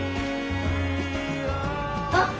あっ！